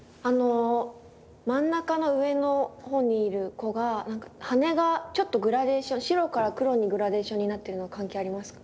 真ん中の上のほうにいる子が羽がちょっとグラデーション白から黒にグラデーションになってるのは関係ありますか？